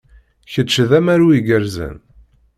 Kečč d amaru igerrzen.